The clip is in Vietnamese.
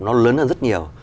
nó lớn hơn rất nhiều